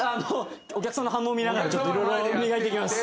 お客さんの反応を見ながら色々磨いていきます。